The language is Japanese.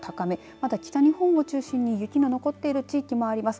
まだ北日本を中心に雪が残っている地域もあります。